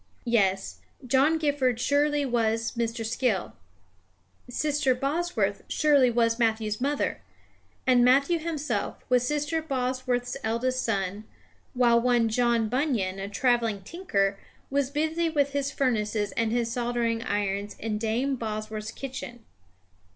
Yes; John Gifford surely was Mr. Skill. Sister Bosworth surely was Matthew's mother. And Matthew himself was Sister Bosworth's eldest son, while one John Bunyan, a travelling tinker, was busy with his furnaces and his soldering irons in Dame Bosworth's kitchen.